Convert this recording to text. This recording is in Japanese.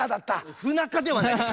不仲ではないです！